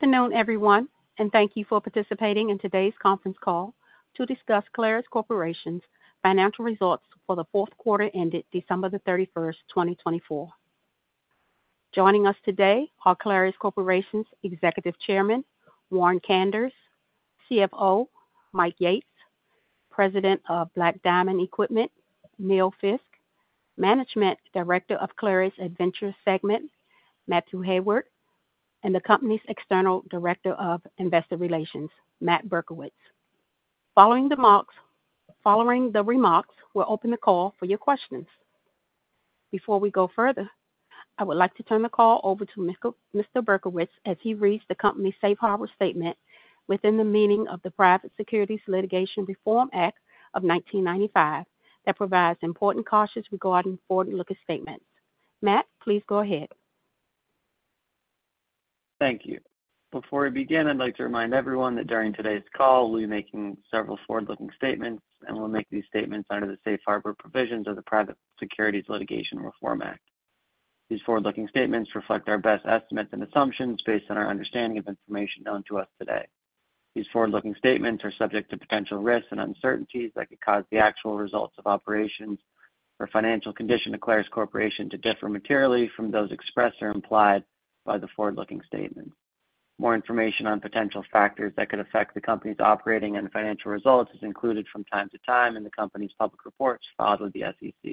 Good afternoon, everyone, and thank you for participating in today's conference call to discuss Clarus Corporation's financial results for the fourth quarter ended December 31, 2024. Joining us today are Clarus Corporation's Executive Chairman, Warren Kanders, CFO, Mike Yates, President of Black Diamond Equipment, Neil Fiske, Managing Director of Clarus Adventure Segment, Mathew Hayward, and the company's External Director of Investor Relations, Matt Berkowitz. Following the remarks, we'll open the call for your questions. Before we go further, I would like to turn the call over to Mr. Berkowitz as he reads the company's safe harbor statement within the meaning of the Private Securities Litigation Reform Act of 1995 that provides important cautions regarding forward-looking statements. Matt, please go ahead. Thank you. Before we begin, I'd `like to remind everyone that during today's call, we'll be making several forward-looking statements, and we'll make these statements under the safe harbor provisions of the Private Securities Litigation Reform Act. These forward-looking statements reflect our best estimates and assumptions based on our understanding of information known to us today. These forward-looking statements are subject to potential risks and uncertainties that could cause the actual results of operations or financial condition of Clarus Corporation to differ materially from those expressed or implied by the forward-looking statements. More information on potential factors that could affect the company's operating and financial results is included from time to time in the company's public reports filed with the SEC.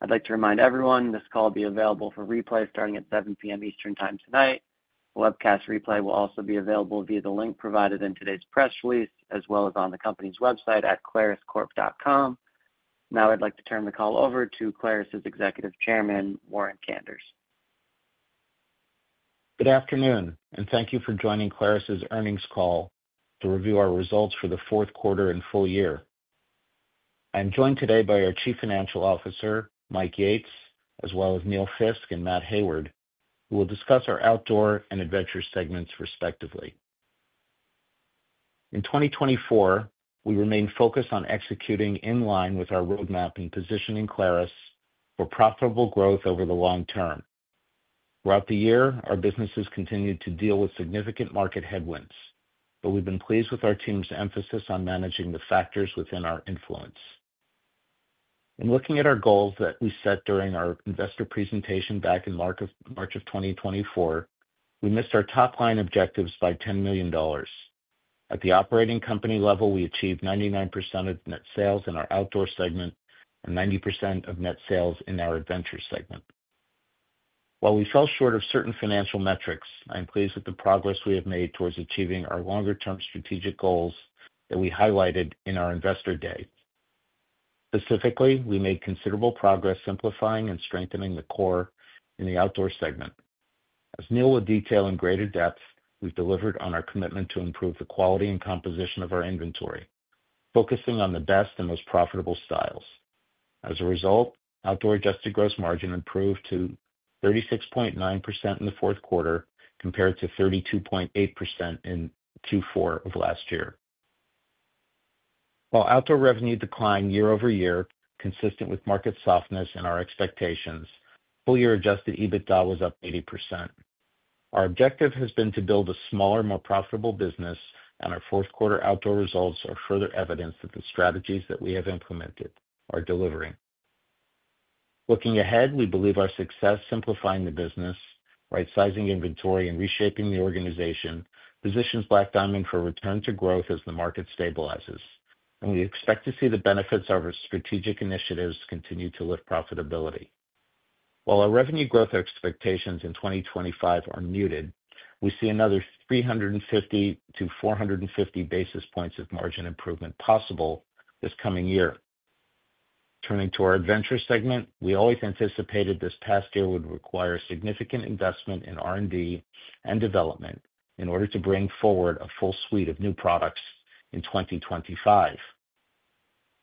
I'd like to remind everyone this call will be available for replay starting at 7:00 P.M. Eastern Time tonight. The webcast replay will also be available via the link provided in today's press release as well as on the company's website at claruscorp.com. Now, I'd like to turn the call over to Clarus's Executive Chairman, Warren Kanders. Good afternoon, and thank you for joining Clarus's earnings call to review our results for the fourth quarter and full year. I'm joined today by our Chief Financial Officer, Mike Yates, as well as Neil Fiske and Matt Hayward, who will discuss our Outdoor and Adventure segments respectively. In 2024, we remained focused on executing in line with our roadmap and positioning Clarus for profitable growth over the long term. Throughout the year, our business has continued to deal with significant market headwinds, but we've been pleased with our team's emphasis on managing the factors within our influence. In looking at our goals that we set during our investor presentation back in March of 2024, we missed our top line objectives by $10 million. At the operating company level, we achieved 99% of net sales in our Outdoor segment and 90% of net sales in our Adventure segment. While we fell short of certain financial metrics, I'm pleased with the progress we have made towards achieving our longer-term strategic goals that we highlighted in our investor day. Specifically, we made considerable progress simplifying and strengthening the core in the Outdoor segment. As Neil will detail in greater depth, we've delivered on our commitment to improve the quality and composition of our inventory, focusing on the best and most profitable styles. As a result, Outdoor adjusted gross margin improved to 36.9% in the fourth quarter compared to 32.8% in Q4 of last year. While Outdoor revenue declined year-over-year, consistent with market softness and our expectations, full-year adjusted EBITDA was up 80%. Our objective has been to build a smaller, more profitable business, and our fourth quarter Outdoor results are further evidence that the strategies that we have implemented are delivering. Looking ahead, we believe our success simplifying the business, right-sizing inventory, and reshaping the organization positions Black Diamond for return to growth as the market stabilizes, and we expect to see the benefits of our strategic initiatives continue to lift profitability. While our revenue growth expectations in 2025 are muted, we see another 350-450 basis points of margin improvement possible this coming year. Turning to our Adventure segment, we always anticipated this past year would require significant investment in R&D and development in order to bring forward a full suite of new products in 2025.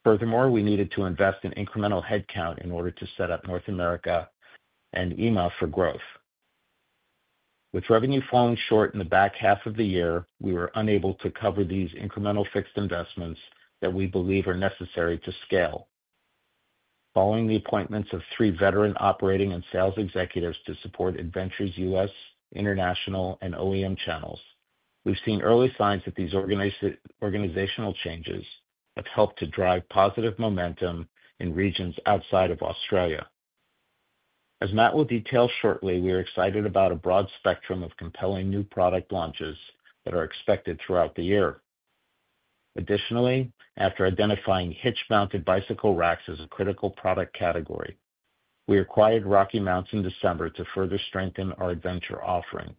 Furthermore, we needed to invest in incremental headcount in order to set up North America and EMEA for growth. With revenue falling short in the back half of the year, we were unable to cover these incremental fixed investments that we believe are necessary to scale. Following the appointments of three veteran operating and sales executives to support Adventure's U.S., International, and OEM channels, we've seen early signs that these organizational changes have helped to drive positive momentum in regions outside of Australia. As Matt will detail shortly, we are excited about a broad spectrum of compelling new product launches that are expected throughout the year. Additionally, after identifying hitch-mounted bicycle racks as a critical product category, we acquired RockyMounts in December to further strengthen our Adventure offering.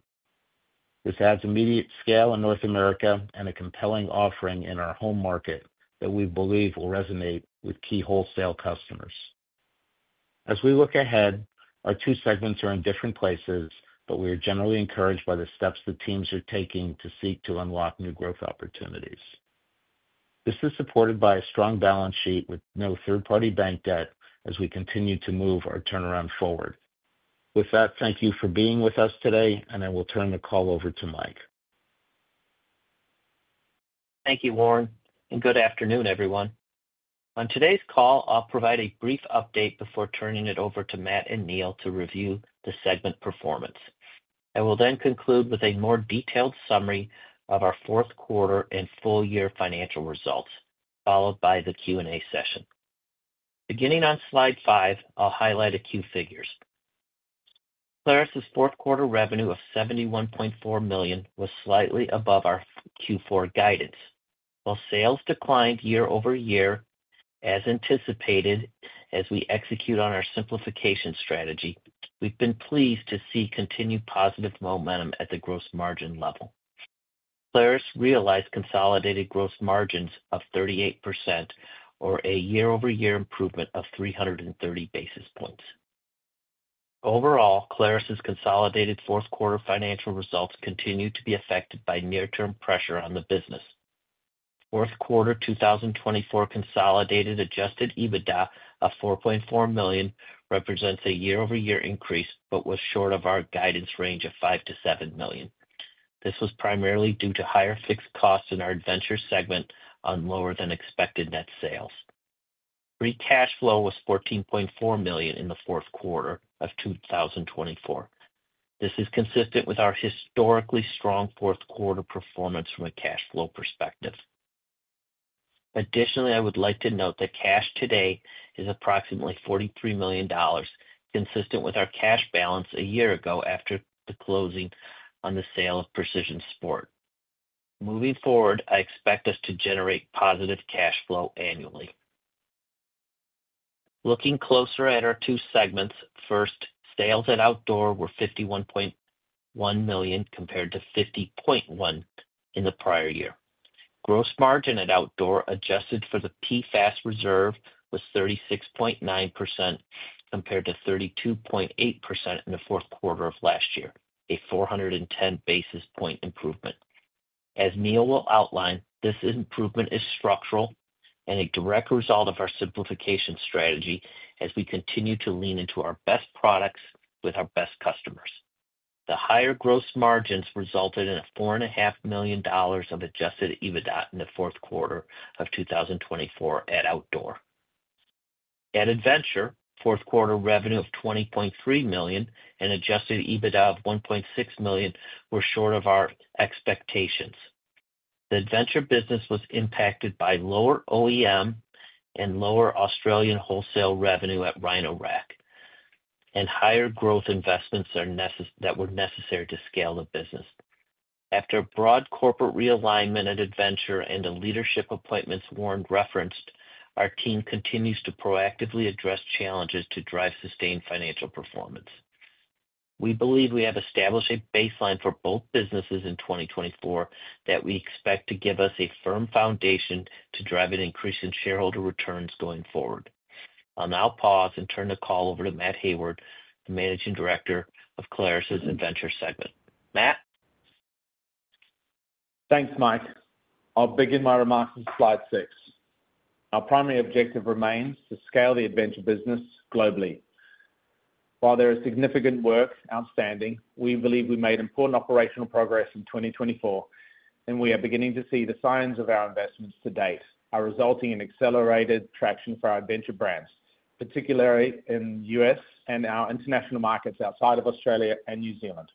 This adds immediate scale in North America and a compelling offering in our home market that we believe will resonate with key wholesale customers. As we look ahead, our two segments are in different places, but we are generally encouraged by the steps the teams are taking to seek to unlock new growth opportunities. This is supported by a strong balance sheet with no third-party bank debt as we continue to move our turnaround forward. With that, thank you for being with us today, and I will turn the call over to Mike. Thank you, Warren, and good afternoon, everyone. On today's call, I'll provide a brief update before turning it over to Matt and Neil to review the segment performance. I will then conclude with a more detailed summary of our fourth quarter and full-year financial results, followed by the Q&A session. Beginning on slide five, I'll highlight a few figures. Clarus's fourth quarter revenue of $71.4 million was slightly above our Q4 guidance. While sales declined year-over-year, as anticipated, as we execute on our simplification strategy, we've been pleased to see continued positive momentum at the gross margin level. Clarus realized consolidated gross margins of 38%, or a year-over-year improvement of 330 basis points. Overall, Clarus's consolidated fourth quarter financial results continue to be affected by near-term pressure on the business. Fourth quarter 2024 consolidated adjusted EBITDA of $4.4 million represents a year-over-year increase but was short of our guidance range of $5 million-$7 million. This was primarily due to higher fixed costs in our Adventure segment on lower-than-expected net sales. Free cash flow was $14.4 million in the fourth quarter of 2024. This is consistent with our historically strong fourth quarter performance from a cash flow perspective. Additionally, I would like to note that cash today is approximately $43 million, consistent with our cash balance a year ago after the closing on the sale of Precision Sports. Moving forward, I expect us to generate positive cash flow annually. Looking closer at our two segments, first, sales at Outdoor were $51.1 million compared to $50.1 million in the prior year. Gross margin at Outdoor adjusted for the PFAS reserve was 36.9% compared to 32.8% in the fourth quarter of last year, a 410 basis point improvement. As Neil will outline, this improvement is structural and a direct result of our simplification strategy as we continue to lean into our best products with our best customers. The higher gross margins resulted in a $4.5 million of adjusted EBITDA in the fourth quarter of 2024 at Outdoor. At Adventure, fourth quarter revenue of $20.3 million and adjusted EBITDA of $1.6 million were short of our expectations. The Adventure business was impacted by lower OEM and lower Australian wholesale revenue at Rhino-Rack, and higher growth investments that were necessary to scale the business. After a broad corporate realignment at Adventure and the leadership appointments Warren referenced, our team continues to proactively address challenges to drive sustained financial performance. We believe we have established a baseline for both businesses in 2024 that we expect to give us a firm foundation to drive an increase in shareholder returns going forward. I'll now pause and turn the call over to Matt Hayward, the Managing Director of Clarus's Adventure Segment. Matt? Thanks, Mike. I'll begin my remarks on slide six. Our primary objective remains to scale the Adventure business globally. While there is significant work outstanding, we believe we made important operational progress in 2024, and we are beginning to see the signs of our investments to date are resulting in accelerated traction for our Adventure brands, particularly in the U.S. and our international markets outside of Australia and New Zealand.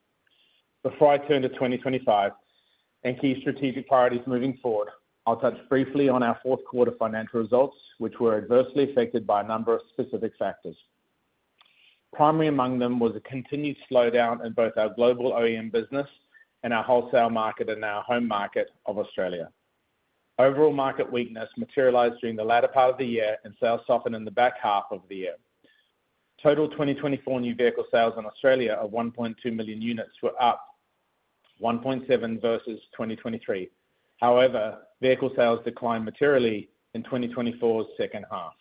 Before I turn to 2025 and key strategic priorities moving forward, I'll touch briefly on our fourth quarter financial results, which were adversely affected by a number of specific factors. Primary among them was a continued slowdown in both our global OEM business and our wholesale market and our home market of Australia. Overall market weakness materialized during the latter part of the year, and sales softened in the back half of the year. Total 2024 new vehicle sales in Australia of 1.2 million units were up 1.7% versus 2023. However, vehicle sales declined materially in 2024's second half.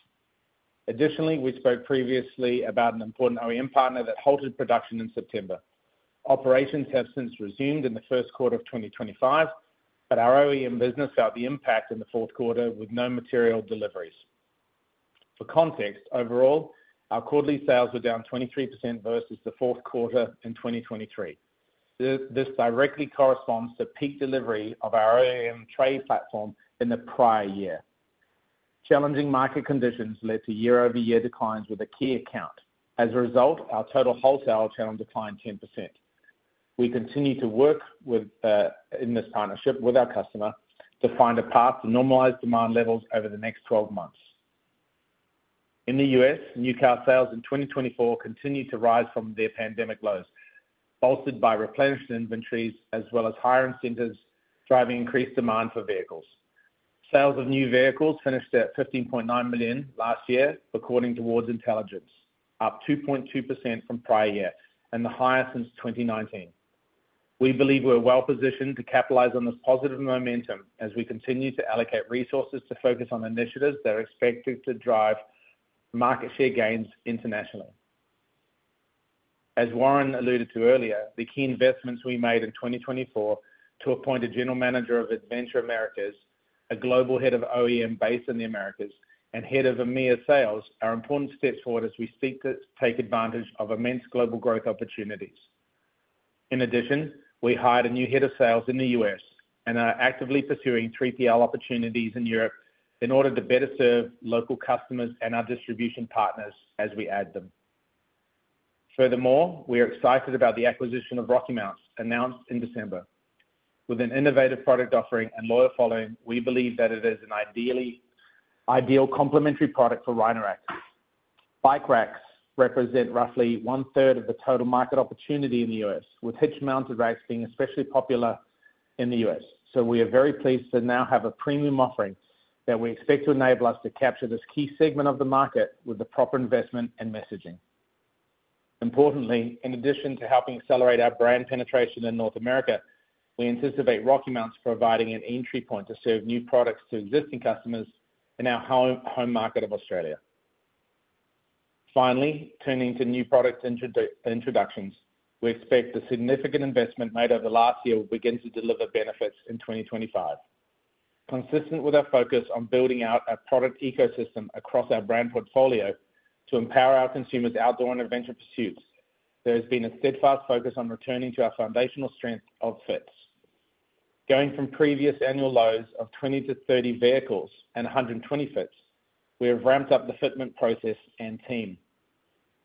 Additionally, we spoke previously about an important OEM partner that halted production in September. Operations have since resumed in the first quarter of 2025, but our OEM business felt the impact in the fourth quarter with no material deliveries. For context, overall, our quarterly sales were down 23% versus the fourth quarter in 2023. This directly corresponds to peak delivery of our OEM trade platform in the prior year. Challenging market conditions led to year-over-year declines with a key account. As a result, our total wholesale channel declined 10%. We continue to work in this partnership with our customer to find a path to normalize demand levels over the next 12 months. In the U.S., new car sales in 2024 continued to rise from their pandemic lows, bolstered by replenishment inventories as well as hiring centers driving increased demand for vehicles. Sales of new vehicles finished at 15.9 million last year, according to Wards Intelligence, up 2.2% from prior year and the highest since 2019. We believe we're well positioned to capitalize on this positive momentum as we continue to allocate resources to focus on initiatives that are expected to drive market share gains internationally. As Warren alluded to earlier, the key investments we made in 2024 to appoint a General Manager of Adventure Americas, a global head of OEM based in the Americas, and head of EMEA sales are important steps forward as we seek to take advantage of immense global growth opportunities. In addition, we hired a new head of sales in the U.S. and are actively pursuing 3PL opportunities in Europe in order to better serve local customers and our distribution partners as we add them. Furthermore, we are excited about the acquisition of RockyMounts, announced in December. With an innovative product offering and loyal following, we believe that it is an ideal complementary product for Rhino-Rack. Bike racks represent roughly one-third of the total market opportunity in the U.S., with hitch-mounted racks being especially popular in the U.S. We are very pleased to now have a premium offering that we expect to enable us to capture this key segment of the market with the proper investment and messaging. Importantly, in addition to helping accelerate our brand penetration in North America, we anticipate RockyMounts providing an entry point to serve new products to existing customers in our home market of Australia. Finally, turning to new product introductions, we expect the significant investment made over the last year will begin to deliver benefits in 2025. Consistent with our focus on building out our product ecosystem across our brand portfolio to empower our consumers' Outdoor and Adventure pursuits, there has been a steadfast focus on returning to our foundational strength of fits. Going from previous annual lows of 20-30 vehicles and 120 fits, we have ramped up the fitment process and team.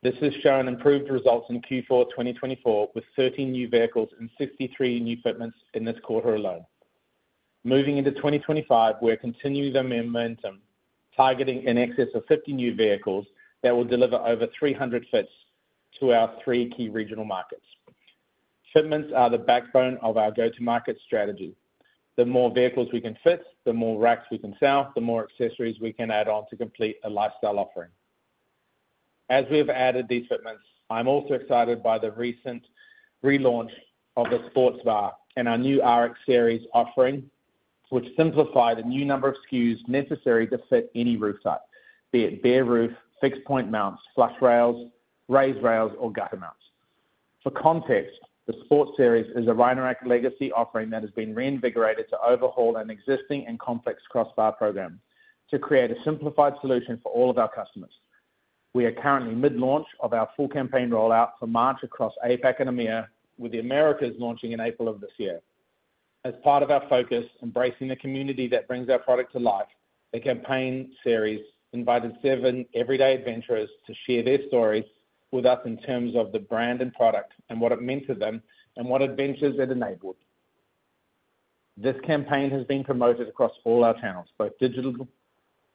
This has shown improved results in Q4 2024 with 30 new vehicles and 63 new fitments in this quarter alone. Moving into 2025, we're continuing the momentum, targeting an excess of 50 new vehicles that will deliver over 300 fits to our three key regional markets. Fitments are the backbone of our go-to-market strategy. The more vehicles we can fit, the more racks we can sell, the more accessories we can add on to complete a lifestyle offering. As we have added these fitments, I'm also excited by the recent relaunch of the Sportz Bar and our new RX Series offering, which simplifies a new number of SKUs necessary to fit any roof type, be it bare roof, fixed point mounts, flush rails, raised rails, or gutter mounts. For context, the Sportz Series is a Rhino-Rack legacy offering that has been reinvigorated to overhaul an existing and complex crossbar program to create a simplified solution for all of our customers. We are currently mid-launch of our full campaign rollout for March across APAC and EMEA, with the Americas launching in April of this year. As part of our focus embracing the community that brings our product to life, the campaign series invited seven everyday adventurers to share their stories with us in terms of the brand and product and what it meant to them and what adventures it enabled. This campaign has been promoted across all our channels, both digital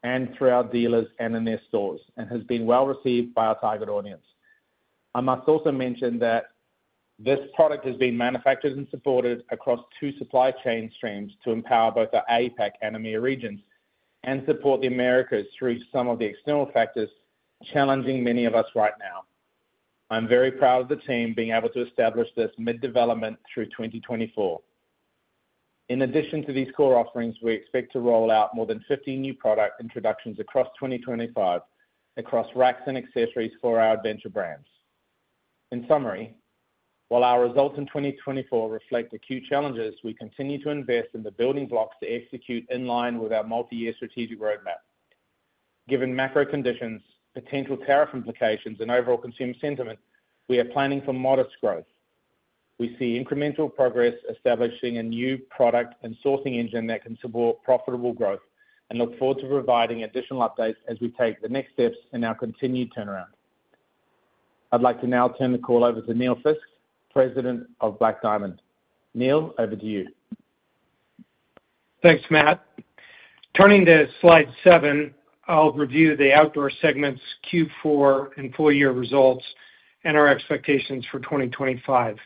and throughout dealers and in their stores, and has been well received by our target audience. I must also mention that this product has been manufactured and supported across two supply chain streams to empower both our APAC and EMEA regions and support the Americas through some of the external factors challenging many of us right now. I'm very proud of the team being able to establish this mid-development through 2024. In addition to these core offerings, we expect to roll out more than 50 new product introductions across 2025 across racks and accessories for our Adventure brands. In summary, while our results in 2024 reflect acute challenges, we continue to invest in the building blocks to execute in line with our multi-year strategic roadmap. Given macro conditions, potential tariff implications, and overall consumer sentiment, we are planning for modest growth. We see incremental progress establishing a new product and sourcing engine that can support profitable growth and look forward to providing additional updates as we take the next steps in our continued turnaround. I'd like to now turn the call over to Neil Fiske, President of Black Diamond Equipment. Neil, over to you. Thanks, Matt. Turning to slide seven, I'll review the Outdoor segment's Q4 and full-year results and our expectations for 2025.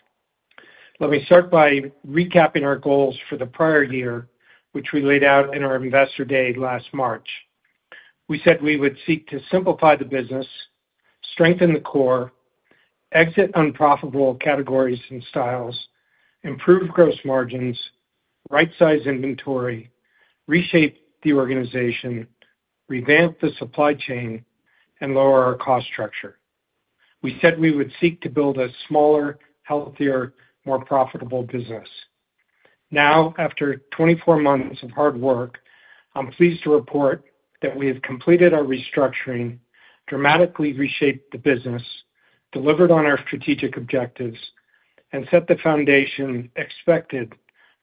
Let me start by recapping our goals for the prior year, which we laid out in our investor day last March. We said we would seek to simplify the business, strengthen the core, exit unprofitable categories and styles, improve gross margins, right-size inventory, reshape the organization, revamp the supply chain, and lower our cost structure. We said we would seek to build a smaller, healthier, more profitable business. Now, after 24 months of hard work, I'm pleased to report that we have completed our restructuring, dramatically reshaped the business, delivered on our strategic objectives, and set the foundation expected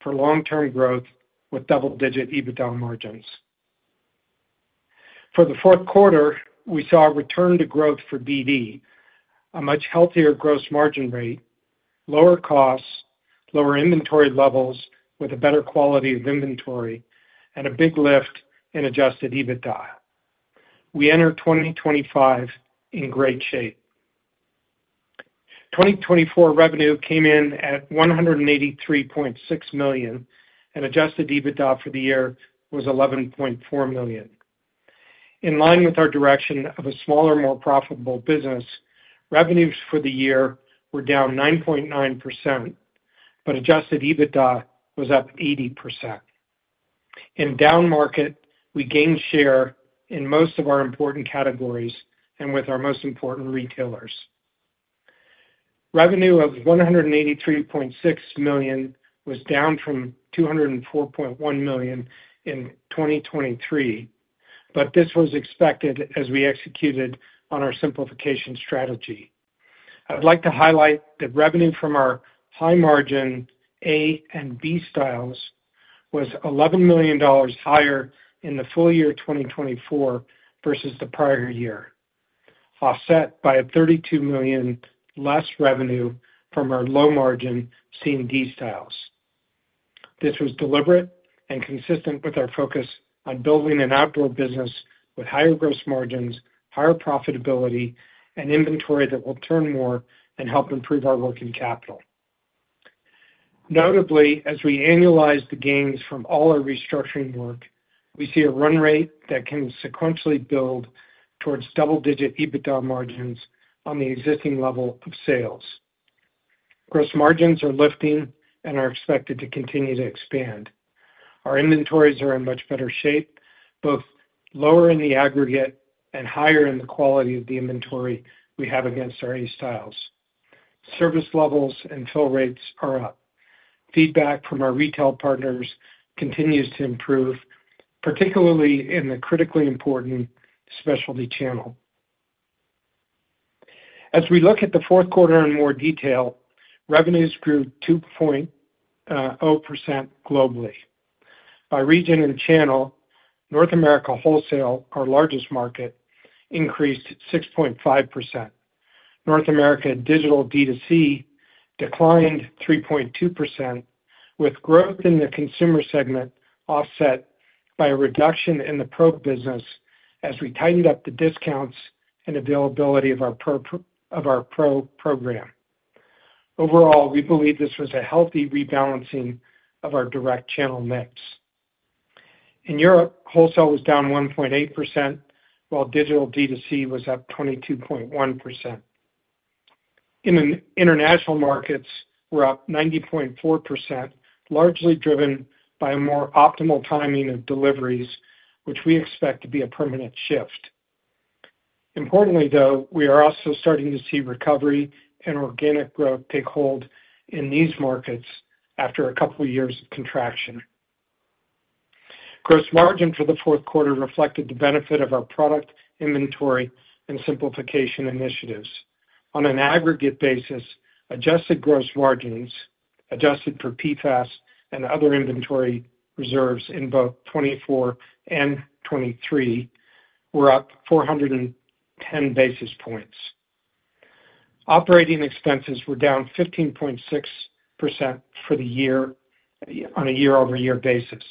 for long-term growth with double-digit EBITDA margins. For the fourth quarter, we saw a return to growth for BD, a much healthier gross margin rate, lower costs, lower inventory levels with a better quality of inventory, and a big lift in adjusted EBITDA. We enter 2025 in great shape. 2024 revenue came in at $183.6 million, and adjusted EBITDA for the year was $11.4 million. In line with our direction of a smaller, more profitable business, revenues for the year were down 9.9%, but adjusted EBITDA was up 80%. In down market, we gained share in most of our important categories and with our most important retailers. Revenue of $183.6 million was down from $204.1 million in 2023, but this was expected as we executed on our simplification strategy. I'd like to highlight that revenue from our high-margin A and B styles was $11 million higher in the full year 2024 versus the prior year, offset by $32 million less revenue from our low-margin C and D styles. This was deliberate and consistent with our focus on building an Outdoor business with higher gross margins, higher profitability, and inventory that will turn more and help improve our working capital. Notably, as we annualize the gains from all our restructuring work, we see a run rate that can sequentially build towards double-digit EBITDA margins on the existing level of sales. Gross margins are lifting and are expected to continue to expand. Our inventories are in much better shape, both lower in the aggregate and higher in the quality of the inventory we have against our A styles. Service levels and fill rates are up. Feedback from our retail partners continues to improve, particularly in the critically important specialty channel. As we look at the fourth quarter in more detail, revenues grew 2.0% globally. By region and channel, North America wholesale, our largest market, increased 6.5%. North America digital D to C declined 3.2%, with growth in the consumer segment offset by a reduction in the probe business as we tightened up the discounts and availability of our probe program. Overall, we believe this was a healthy rebalancing of our direct channel mix. In Europe, wholesale was down 1.8%, while digital D to C was up 22.1%. In international markets, we're up 90.4%, largely driven by a more optimal timing of deliveries, which we expect to be a permanent shift. Importantly, though, we are also starting to see recovery and organic growth take hold in these markets after a couple of years of contraction. Gross margin for the fourth quarter reflected the benefit of our product inventory and simplification initiatives. On an aggregate basis, adjusted gross margins, adjusted for PFAS and other inventory reserves in both 2024 and 2023, were up 410 basis points. Operating expenses were down 15.6% for the year on a year-over-year basis.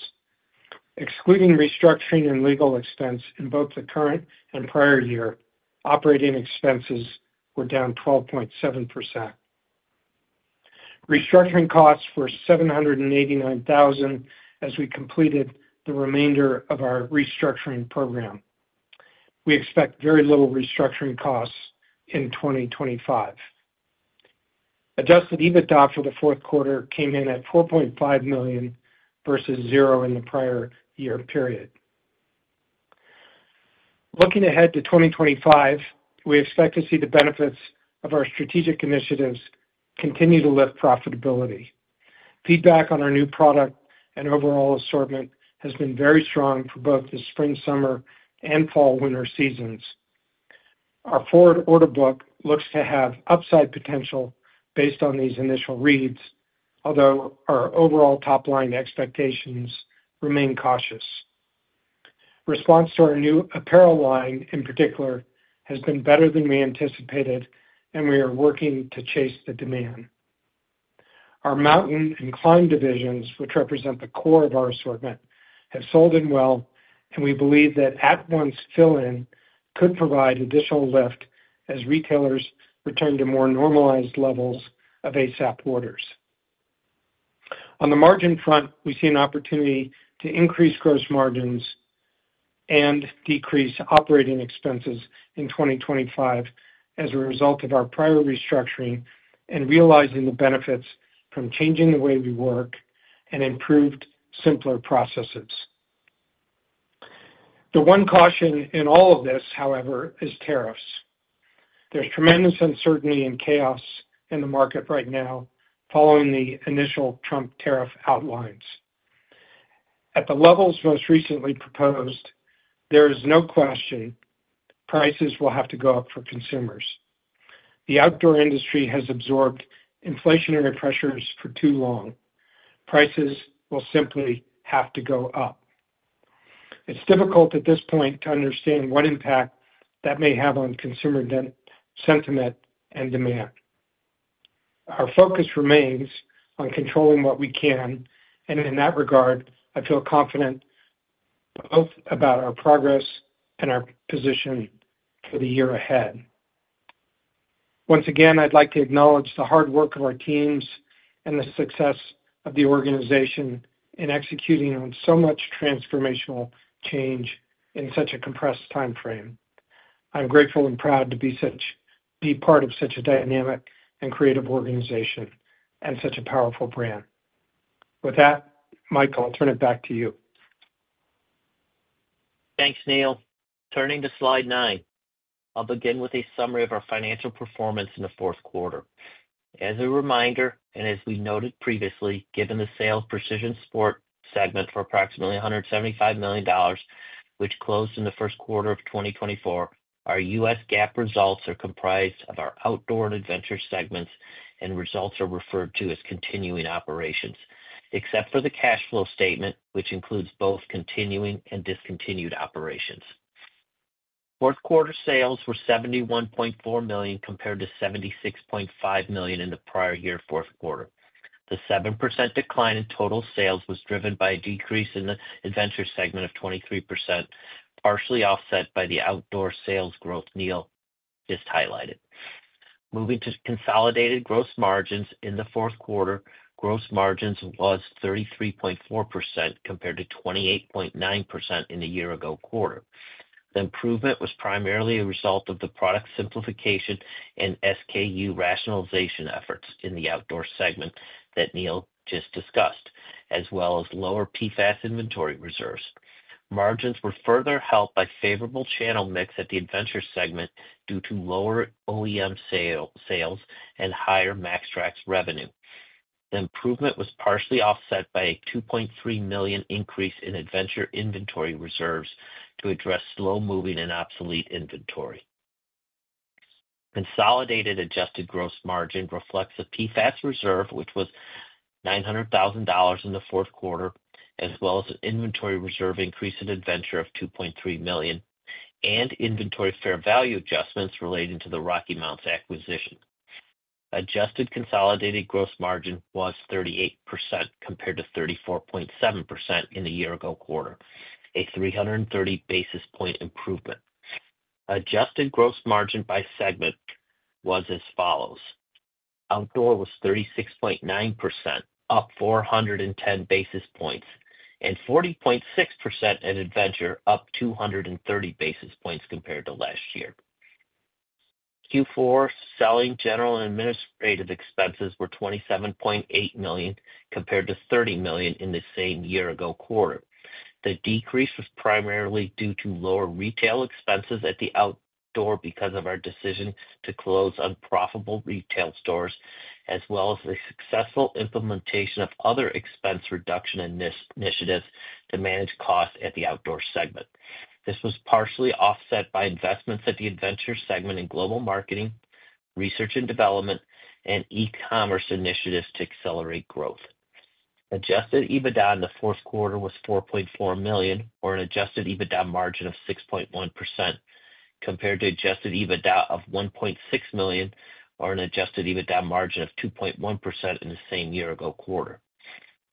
Excluding restructuring and legal expense in both the current and prior year, operating expenses were down 12.7%. Restructuring costs were $789,000 as we completed the remainder of our restructuring program. We expect very little restructuring costs in 2025. Adjusted EBITDA for the fourth quarter came in at $4.5 million versus zero in the prior year period. Looking ahead to 2025, we expect to see the benefits of our strategic initiatives continue to lift profitability. Feedback on our new product and overall assortment has been very strong for both the spring, summer, and fall/winter seasons. Our forward order book looks to have upside potential based on these initial reads, although our overall top-line expectations remain cautious. Response to our new apparel line, in particular, has been better than we anticipated, and we are working to chase the demand. Our Mountain and Climb divisions, which represent the core of our assortment, have sold in well, and we believe that at-once fill-in could provide additional lift as retailers return to more normalized levels of ASAP orders. On the margin front, we see an opportunity to increase gross margins and decrease operating expenses in 2025 as a result of our prior restructuring and realizing the benefits from changing the way we work and improved simpler processes. The one caution in all of this, however, is tariffs. There is tremendous uncertainty and chaos in the market right now following the initial Trump tariff outlines. At the levels most recently proposed, there is no question prices will have to go up for consumers. The outdoor industry has absorbed inflationary pressures for too long. Prices will simply have to go up. It's difficult at this point to understand what impact that may have on consumer sentiment and demand. Our focus remains on controlling what we can, and in that regard, I feel confident both about our progress and our position for the year ahead. Once again, I'd like to acknowledge the hard work of our teams and the success of the organization in executing on so much transformational change in such a compressed timeframe. I'm grateful and proud to be part of such a dynamic and creative organization and such a powerful brand. With that, Michael, I'll turn it back to you. Thanks, Neil. Turning to slide nine, I'll begin with a summary of our financial performance in the fourth quarter. As a reminder, and as we noted previously, given the sale of Precision Sport segment for approximately $175 million, which closed in the first quarter of 2024, our U.S. GAAP results are comprised of our Outdoor and Adventure segments, and results are referred to as continuing operations, except for the cash flow statement, which includes both continuing and discontinued operations. Fourth quarter sales were $71.4 million compared to $76.5 million in the prior year fourth quarter. The 7% decline in total sales was driven by a decrease in the Adventure segment of 23%, partially offset by the Outdoor sales growth Neil just highlighted. Moving to consolidated gross margins in the fourth quarter, gross margin was 33.4% compared to 28.9% in the year-ago quarter. The improvement was primarily a result of the product simplification and SKU rationalization efforts in the Outdoor segment that Neil just discussed, as well as lower PFAS inventory reserves. Margins were further helped by favorable channel mix at the Adventure segment due to lower OEM sales and higher MaxTrax revenue. The improvement was partially offset by a $2.3 million increase in Adventure inventory reserves to address slow-moving and obsolete inventory. Consolidated adjusted gross margin reflects a PFAS reserve, which was $900,000 in the fourth quarter, as well as an inventory reserve increase in Adventure of $2.3 million and inventory fair value adjustments relating to the RockyMounts acquisition. Adjusted consolidated gross margin was 38% compared to 34.7% in the year-ago quarter, a 330 basis point improvement. Adjusted gross margin by segment was as follows. Outdoor was 36.9%, up 410 basis points, and 40.6% in Adventure, up 230 basis points compared to last year. Q4 selling, general and administrative expenses were $27.8 million compared to $30 million in the same year-ago quarter. The decrease was primarily due to lower retail expenses at the Outdoor because of our decision to close unprofitable retail stores, as well as the successful implementation of other expense reduction initiatives to manage costs at the Outdoor segment. This was partially offset by investments at the Adventure segment in global marketing, research and development, and e-commerce initiatives to accelerate growth. Adjusted EBITDA in the fourth quarter was $4.4 million, or an adjusted EBITDA margin of 6.1%, compared to adjusted EBITDA of $1.6 million, or an adjusted EBITDA margin of 2.1% in the same year-ago quarter.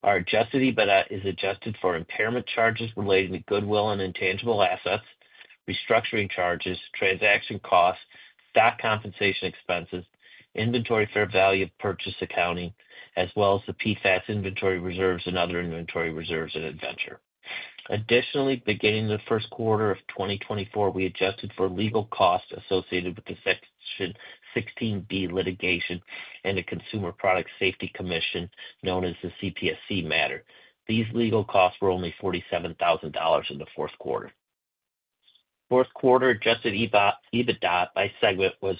Our adjusted EBITDA is adjusted for impairment charges relating to goodwill and intangible assets, restructuring charges, transaction costs, stock compensation expenses, inventory fair value of purchase accounting, as well as the PFAS inventory reserves and other inventory reserves in Adventure. Additionally, beginning the first quarter of 2024, we adjusted for legal costs associated with the Section 16(b) Litigation and the Consumer Product Safety Commission, known as the CPSC matter. These legal costs were only $47,000 in the fourth quarter. Fourth quarter adjusted EBITDA by segment was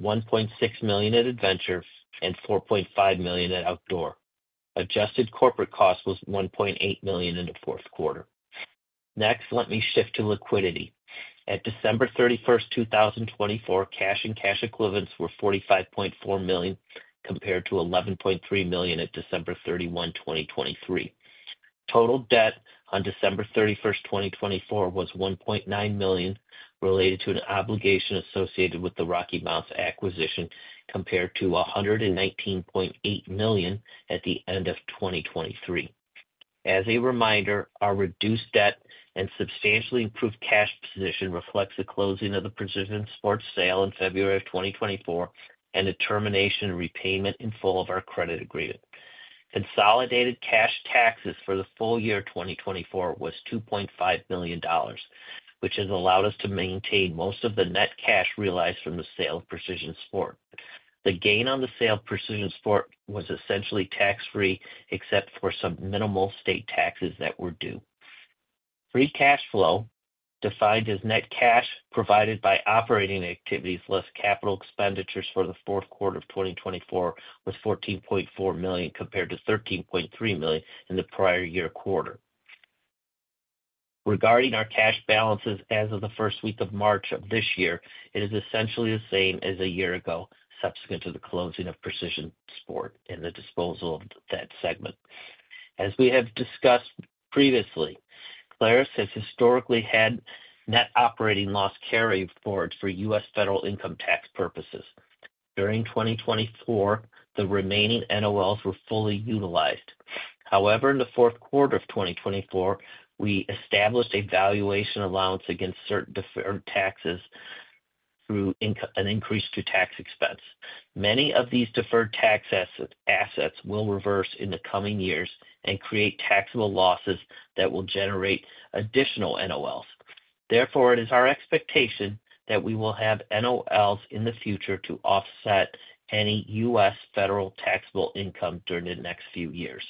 $1.6 million at Adventure and $4.5 million at Outdoor. Adjusted corporate cost was $1.8 million in the fourth quarter. Next, let me shift to liquidity. At December 31st, 2024, cash and cash equivalents were $45.4 million compared to $11.3 million at December 31, 2023. Total debt on December 31st, 2024, was $1.9 million related to an obligation associated with the RockyMounts acquisition, compared to $119.8 million at the end of 2023. As a reminder, our reduced debt and substantially improved cash position reflects the closing of the Precision Sport sale in February 2024 and the termination and repayment in full of our credit agreement. Consolidated cash taxes for the full year 2024 was $2.5 million, which has allowed us to maintain most of the net cash realized from the sale of Precision Sport. The gain on the sale of Precision Sport was essentially tax-free, except for some minimal state taxes that were due. Free cash flow, defined as net cash provided by operating activities less capital expenditures for the fourth quarter of 2024, was $14.4 million compared to $13.3 million in the prior year quarter. Regarding our cash balances as of the first week of March of this year, it is essentially the same as a year ago subsequent to the closing of Precision Sport and the disposal of that segment. As we have discussed previously, Clarus has historically had net operating loss carry forward for U.S. federal income tax purposes. During 2024, the remaining NOLs were fully utilized. However, in the fourth quarter of 2024, we established a valuation allowance against certain deferred taxes through an increase to tax expense. Many of these deferred tax assets will reverse in the coming years and create taxable losses that will generate additional NOLs. Therefore, it is our expectation that we will have NOLs in the future to offset any U.S. federal taxable income during the next few years.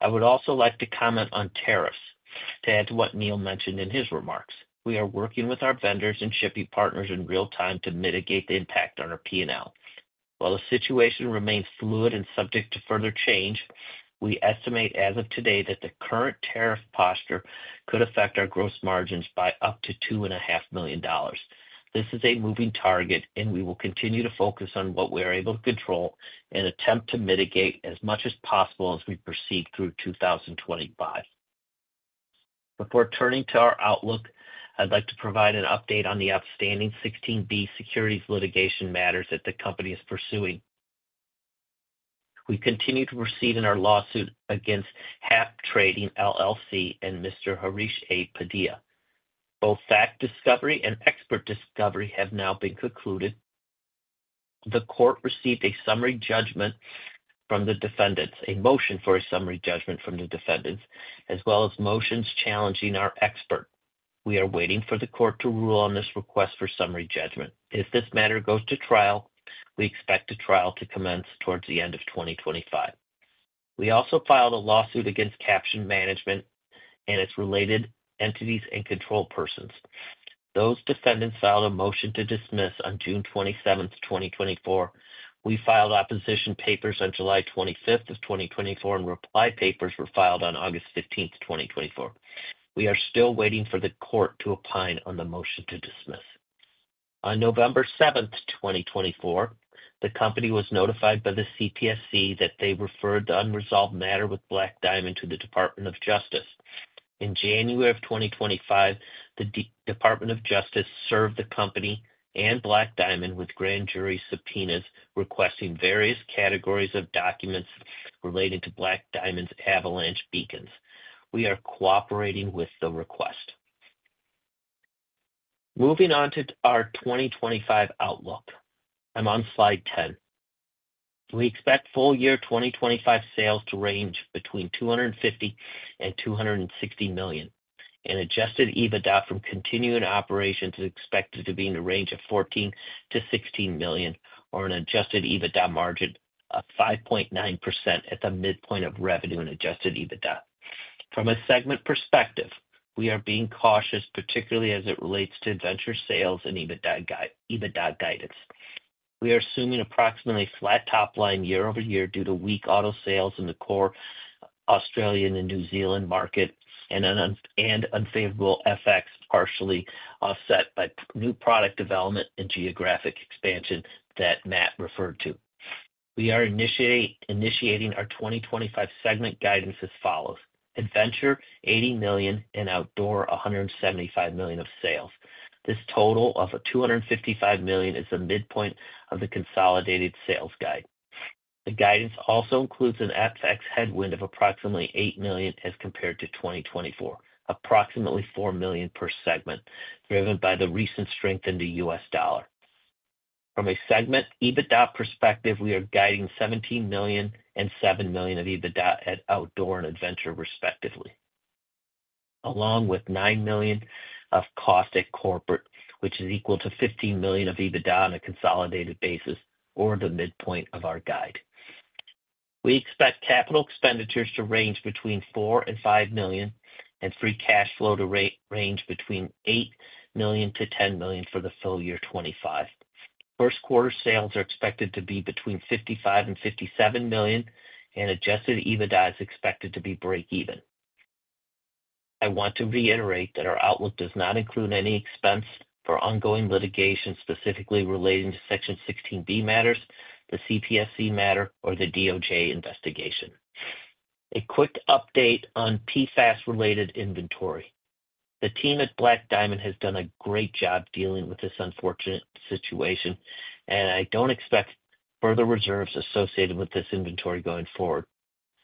I would also like to comment on tariffs to add to what Neil mentioned in his remarks. We are working with our vendors and shipping partners in real time to mitigate the impact on our P&L. While the situation remains fluid and subject to further change, we estimate as of today that the current tariff posture could affect our gross margins by up to $2.5 million. This is a moving target, and we will continue to focus on what we are able to control and attempt to mitigate as much as possible as we proceed through 2025. Before turning to our outlook, I'd like to provide an update on the outstanding 16(b) securities litigation matters that the company is pursuing. We continue to proceed in our lawsuit against HAP Trading LLC and Mr. Harsh A. Padia. Both fact discovery and expert discovery have now been concluded. The court received a summary judgment from the defendants, a motion for a summary judgment from the defendants, as well as motions challenging our expert. We are waiting for the court to rule on this request for summary judgment. If this matter goes to trial, we expect the trial to commence towards the end of 2025. We also filed a lawsuit against Caption Management and its related entities and control persons. Those defendants filed a motion to dismiss on June 27th, 2024. We filed opposition papers on July 25th, 2024, and reply papers were filed on August 15th, 2024. We are still waiting for the court to opine on the motion to dismiss. On November 7th, 2024, the company was notified by the CPSC that they referred the unresolved matter with Black Diamond to the Department of Justice. In January of 2025, the Department of Justice served the company and Black Diamond with grand jury subpoenas requesting various categories of documents relating to Black Diamond's avalanche beacons. We are cooperating with the request. Moving on to our 2025 outlook, I'm on slide 10. We expect full year 2025 sales to range between $250 million and $260 million, and adjusted EBITDA from continuing operations is expected to be in the range of $14 million-$16 million, or an adjusted EBITDA margin of 5.9% at the midpoint of revenue and adjusted EBITDA. From a segment perspective, we are being cautious, particularly as it relates to Adventure sales and EBITDA guidance. We are assuming approximately flat top line year-over-year due to weak auto sales in the core Australian and New Zealand market and unfavorable FX partially offset by new product development and geographic expansion that Matt referred to. We are initiating our 2025 segment guidance as follows: Adventure $80 million and Outdoor $175 million of sales. This total of $255 million is the midpoint of the consolidated sales guide. The guidance also includes an FX headwind of approximately $8 million as compared to 2024, approximately $4 million per segment, driven by the recent strength in the US dollar. From a segment EBITDA perspective, we are guiding $17 million and $7 million of EBITDA at Outdoor and Adventure, respectively, along with $9 million of cost at corporate, which is equal to $15 million of EBITDA on a consolidated basis or the midpoint of our guide. We expect capital expenditures to range between $4 million-$5 million and free cash flow to range between $8 million-$10 million for the full year 2025. First quarter sales are expected to be between $55 million and $57 million, and adjusted EBITDA is expected to be break-even. I want to reiterate that our outlook does not include any expense for ongoing litigation specifically relating to Section 16(b) matters, the CPSC matter, or the DOJ investigation. A quick update on PFAS-related inventory. The team at Black Diamond has done a great job dealing with this unfortunate situation, and I do not expect further reserves associated with this inventory going forward.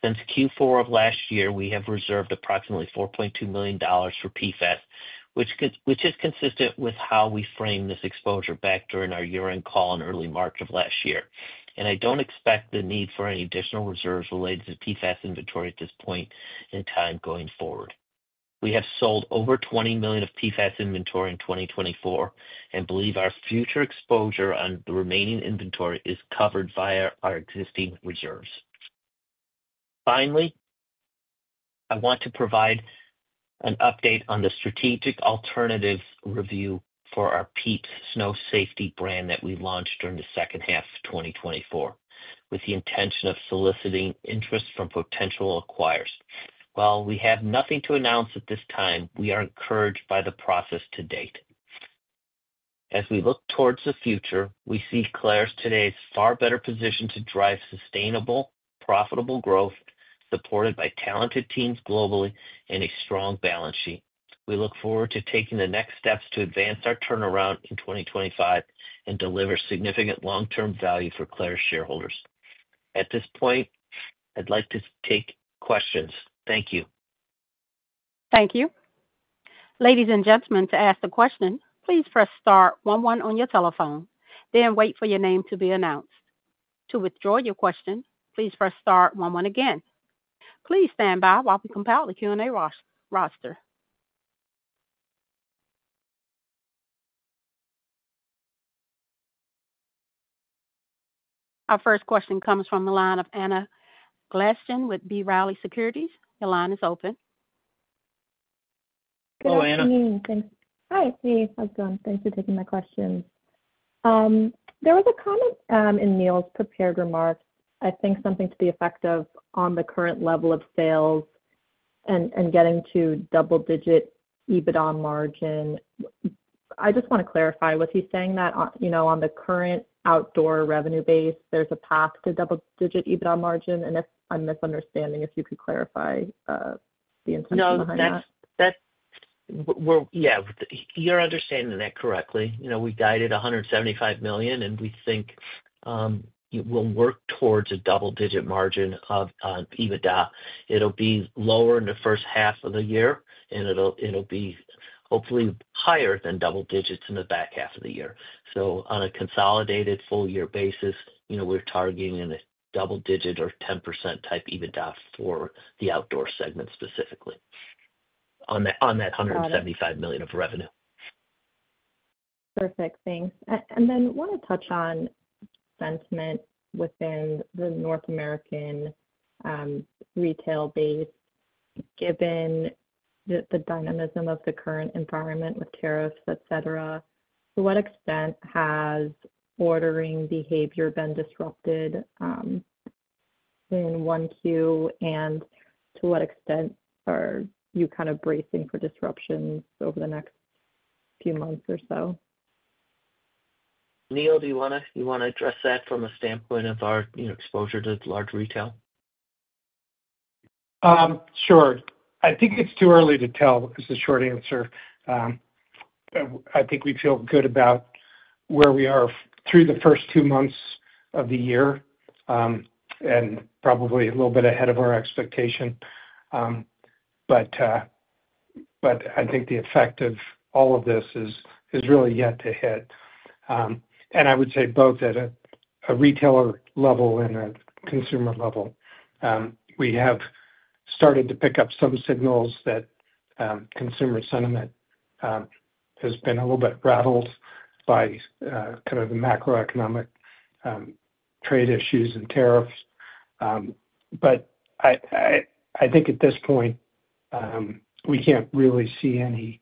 Since Q4 of last year, we have reserved approximately $4.2 million for PFAS, which is consistent with how we framed this exposure back during our year-end call in early March of last year. I do not expect the need for any additional reserves related to PFAS inventory at this point in time going forward. We have sold over $20 million of PFAS inventory in 2024 and believe our future exposure on the remaining inventory is covered via our existing reserves. Finally, I want to provide an update on the strategic alternatives review for our PIEPS Snow Safety brand that we launched during the second half of 2024, with the intention of soliciting interest from potential acquirers. While we have nothing to announce at this time, we are encouraged by the process to date. As we look towards the future, we see Clarus today as far better positioned to drive sustainable, profitable growth supported by talented teams globally and a strong balance sheet. We look forward to taking the next steps to advance our turnaround in 2025 and deliver significant long-term value for Clarus shareholders. At this point, I'd like to take questions. Thank you. Thank you. Ladies and gentlemen, to ask a question, please press star one, one on your telephone, then wait for your name to be announced. To withdraw your question, please press star one, one again. Please stand by while we compile the Q&A roster. Our first question comes from the line of Anna Glaessgen with B. Riley Securities. Your line is open. Hello, Anna. Good evening. Thanks. Hi. How's it going? Thanks for taking my questions. There was a comment in Neil's prepared remarks, I think something to the effect of on the current level of sales and getting to double-digit EBITDA margin. I just want to clarify, was he saying that on the current Outdoor revenue base, there's a path to double-digit EBITDA margin? And if I'm misunderstanding, if you could clarify the intention behind that. Yeah. You're understanding that correctly. We guided $175 million, and we think we'll work towards a double-digit margin of EBITDA. It'll be lower in the first half of the year, and it'll be hopefully higher than double digits in the back half of the year. On a consolidated full-year basis, we're targeting a double-digit or 10% type EBITDA for the Outdoor segment specifically on that $175 million of revenue. Perfect. Thanks. I want to touch on sentiment within the North American retail base, given the dynamism of the current environment with tariffs, etc. To what extent has ordering behavior been disrupted in 1Q, and to what extent are you kind of bracing for disruptions over the next few months or so? Neil, do you want to address that from a standpoint of our exposure to large retail? Sure. I think it's too early to tell is the short answer. I think we feel good about where we are through the first two months of the year and probably a little bit ahead of our expectation. I think the effect of all of this is really yet to hit. I would say both at a retailer level and a consumer level, we have started to pick up some signals that consumer sentiment has been a little bit rattled by kind of the macroeconomic trade issues and tariffs. I think at this point, we can't really see any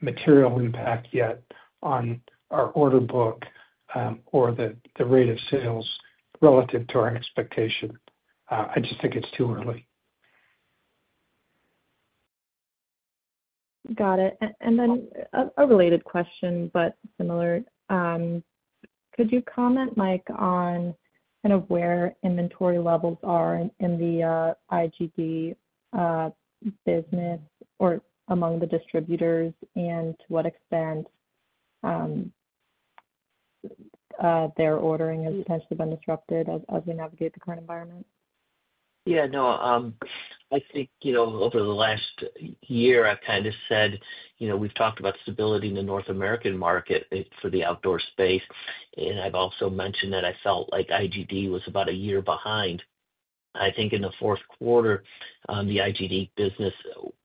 material impact yet on our order book or the rate of sales relative to our expectation. I just think it's too early. Got it. A related question, but similar. Could you comment, Mike, on kind of where inventory levels are in the IGD business or among the distributors, and to what extent their ordering has potentially been disrupted as we navigate the current environment? Yeah. No, I think over the last year, I kind of said we've talked about stability in the North American market for the Outdoor space. I have also mentioned that I felt like IGD was about a year behind. I think in the fourth quarter, the IGD business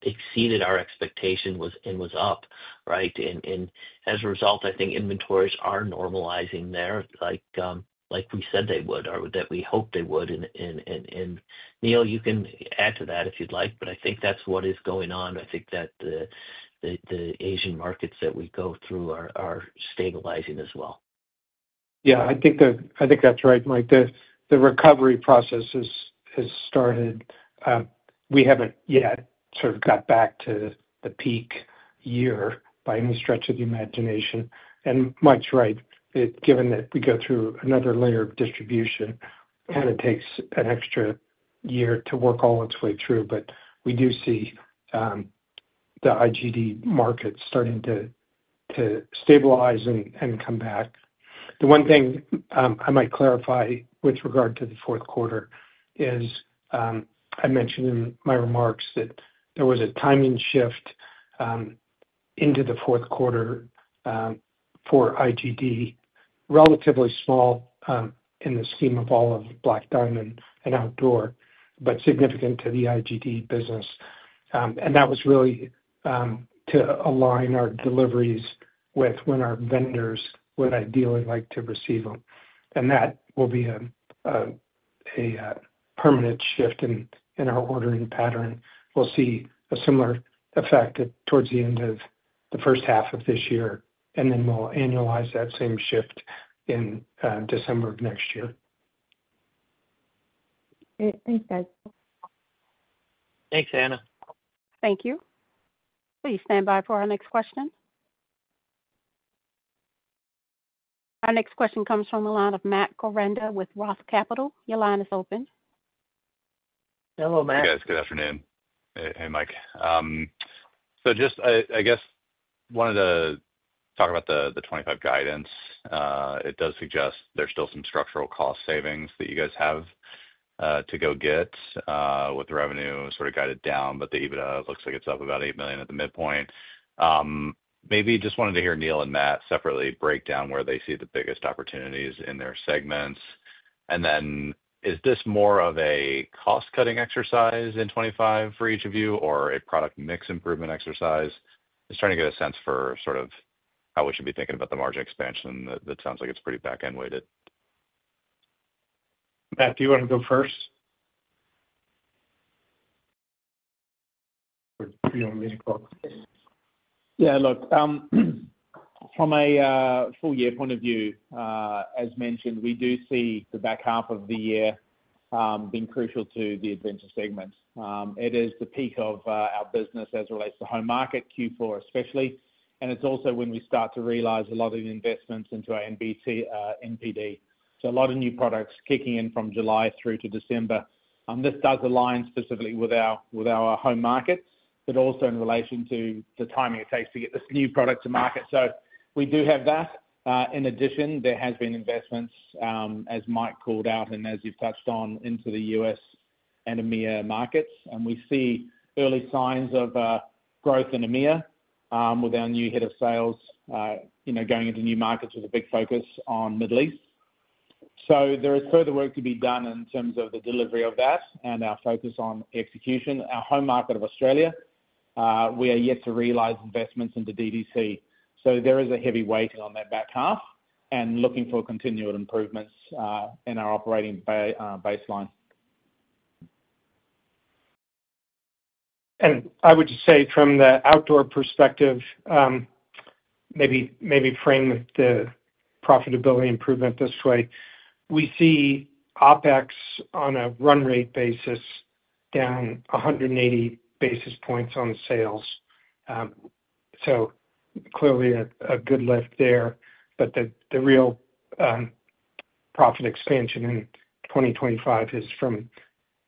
exceeded our expectation and was up, right? As a result, I think inventories are normalizing there, like we said they would, or that we hoped they would. Neil, you can add to that if you'd like, but I think that's what is going on. I think that the Asian markets that we go through are stabilizing as well. Yeah. I think that's right, Mike. The recovery process has started. We haven't yet sort of got back to the peak year by any stretch of the imagination. Mike's right, given that we go through another layer of distribution, and it takes an extra year to work all its way through. We do see the IGD market starting to stabilize and come back. The one thing I might clarify with regard to the fourth quarter is I mentioned in my remarks that there was a timing shift into the fourth quarter for IGD, relatively small in the scheme of all of Black Diamond and Outdoor, but significant to the IGD business. That was really to align our deliveries with when our vendors would ideally like to receive them. That will be a permanent shift in our ordering pattern. We'll see a similar effect towards the end of the first half of this year, and then we'll annualize that same shift in December of next year. Thanks, guys. Thanks, Anna. Thank you. Please stand by for our next question. Our next question comes from the line of Matt Koranda with Roth Capital. Your line is open. Hello, Matt. Hey, guys. Good afternoon. Hey, Mike. I guess, wanted to talk about the 2025 guidance. It does suggest there's still some structural cost savings that you guys have to go get with revenue sort of guided down, but the EBITDA looks like it's up about $8 million at the midpoint. Maybe just wanted to hear Neil and Matt separately break down where they see the biggest opportunities in their segments. Is this more of a cost-cutting exercise in 2025 for each of you or a product mix improvement exercise? Just trying to get a sense for sort of how we should be thinking about the margin expansion that sounds like it's pretty back-end weighted. Matt, do you want to go first? Yeah. Look, from a full-year point of view, as mentioned, we do see the back half of the year being crucial to the Adventure segment. It is the peak of our business as it relates to home market, Q4 especially. It is also when we start to realize a lot of the investments into our NPD. A lot of new products kicking in from July through to December. This does align specifically with our home market, but also in relation to the timing it takes to get this new product to market. We do have that. In addition, there has been investments, as Mike called out and as you've touched on, into the U.S. and EMEA markets. We see early signs of growth in EMEA with our new head of sales going into new markets with a big focus on the Middle East. There is further work to be done in terms of the delivery of that and our focus on execution. Our home market of Australia, we are yet to realize investments into D to C. There is a heavy weight on that back half and looking for continued improvements in our operating baseline. I would say from the Outdoor perspective, maybe frame the profitability improvement this way. We see OpEx on a run rate basis down 180 basis points on sales. Clearly a good lift there. The real profit expansion in 2025 is from